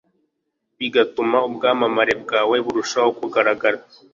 bigatuma ubwamamare bwawe burushaho kugaragara